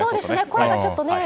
声がちょっとね。